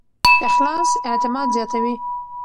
اخلاص اعتماد زیاتوي.